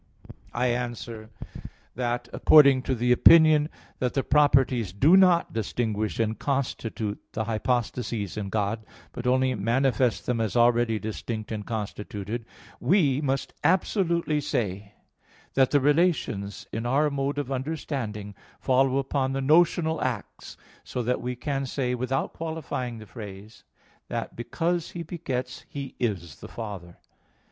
I answer that, According to the opinion that the properties do not distinguish and constitute the hypostases in God, but only manifest them as already distinct and constituted, we must absolutely say that the relations in our mode of understanding follow upon the notional acts, so that we can say, without qualifying the phrase, that "because He begets, He is the Father."